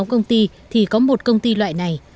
sáu công ty thì có một công ty loại này